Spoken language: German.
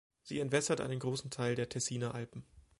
Sie entwässert einen grossen Teil der Tessiner Alpen.